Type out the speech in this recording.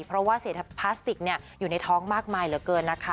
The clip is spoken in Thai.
เพราะว่าเศษพลาสติกอยู่ในท้องมากมายเหลือเกินนะคะ